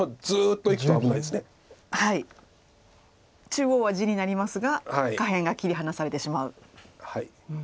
中央は地になりますが下辺が切り離されてしまう。